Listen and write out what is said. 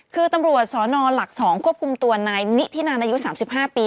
คือตำรวจสนหลัก๒ควบคุมตัวนายนิธินันอายุ๓๕ปี